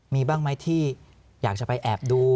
มีบ้างไหมที่อยากจะไปแอบดู